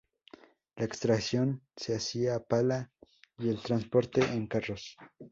La extracción se hacía a pala y el transporte en carros.